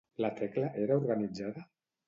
La Tecla era organitzada?